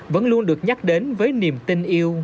vẫn luôn được nhắc đến với niềm tin yêu